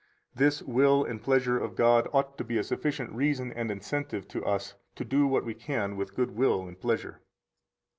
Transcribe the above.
This will and pleasure of God ought to be a sufficient reason and incentive to us to do what we can with good will and pleasure.